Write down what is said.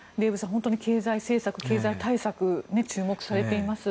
本当に経済政策、経済対策注目されています。